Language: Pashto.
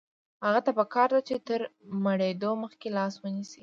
هغه ته پکار ده چې تر مړېدو مخکې لاس ونیسي.